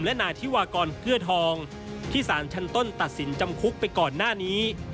และนายธิวากรเกื้อทองที่สารชั้นต้นตัดสินจำคุกไปก่อนหน้านี้